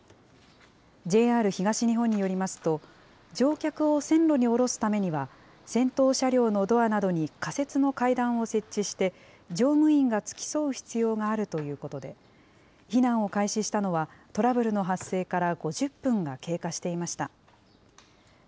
ＪＲ東日本によりますと、乗客を線路に降ろすためには、先頭車両のドアなどに仮設の階段を設置して、乗務員が付き添う必要があるということで、避難を開始したのは、トラブルの発生から５０分が経過していました。